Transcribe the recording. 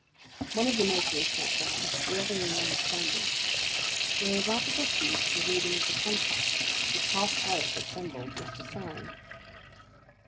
One of the notaries sat down, the other remained standing. They were about to proceed to the reading of the contract, which half Paris assembled was to sign.